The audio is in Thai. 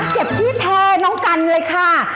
เจ็บจี้แท้น้องกันเลยค่ะ